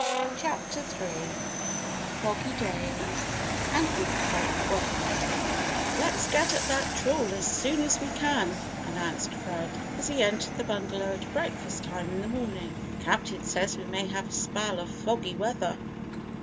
CHAPTER THREE FOGGY DAYS AND WOODCRAFT WAYS "Let's get at that trawl as soon as we can," announced Fred, as he entered the bungalow at breakfast time in the morning. "Captain says we may have a spell of foggy weather."